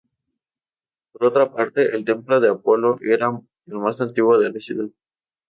Por otra parte, el templo de Apolo era el más antiguo de la ciudad.